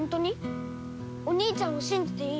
お兄ちゃんを信じていいの？